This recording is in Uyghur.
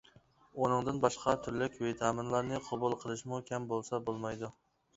ئۇنىڭدىن باشقا تۈرلۈك ۋىتامىنلارنى قوبۇل قىلىشمۇ كەم بولسا بولمايدۇ.